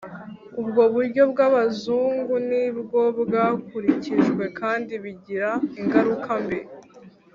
Ubwo buryo bw'Abazungu ni bwo bwakurikijwe kandi bigira ingaruka mbi